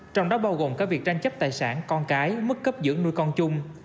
trong đó bao gồm cả việc tranh chấp tài sản con cái mức cấp dưỡng nuôi con chung